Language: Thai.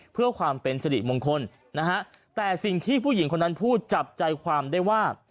เพื่อความเป็นสิริมงคลนะฮะแต่สิ่งที่ผู้หญิงคนนั้นพูดจับใจความได้ว่า